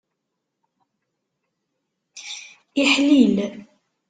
Iḥlil.